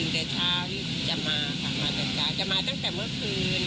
มากจะตื่นจากเช้าจะมาตั้งแต่เมื่อคืน